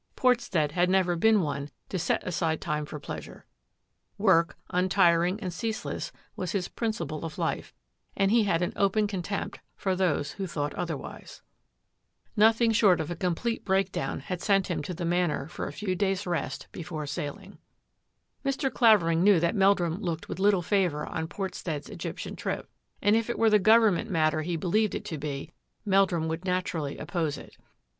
Port stead had never been one to set aside time for pleasure; work, untiring and ceaseless, was his principle of life, and he had an open contempt for those who thought otherwise. Nothing short of 17 fi, 18 THAT AFFAIR AT THE MANO a complete breakdown had sent him to the for a few days' rest before sailing. Mr. Clavering knew that Meldnim loob little favour on Portstead's Egyptian trip, it were the government matter he believed i Meldrum would naturally oppose it.